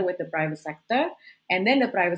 sektor pribadi dan kemudian sektor pribadi